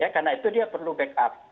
karena itu dia perlu backup